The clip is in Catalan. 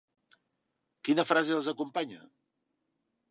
Quina frase els acompanya?